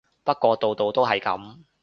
不過度度都係噉